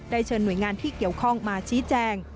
เชิญหน่วยงานที่เกี่ยวข้องมาชี้แจง